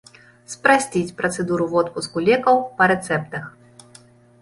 Спрасціць працэдуру водпуску лекаў па рэцэптах.